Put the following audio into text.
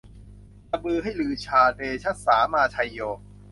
ระบือให้ลือชา เดชะสามาไชโย